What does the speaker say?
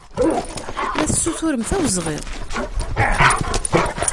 La tessuturemt awezɣi.